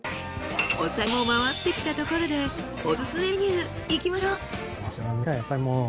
お酒も回ってきたところでオススメメニューいきましょう。